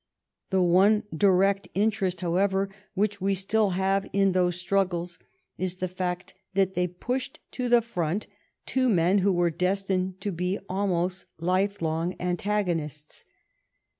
The one direct interest, however, which we still have in those struggles is the fact that they pushed to the front two men who were destined to be al most lifelong antagonists.